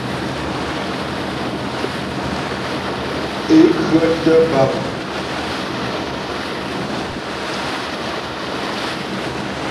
Ě khə́tə̀ bàp.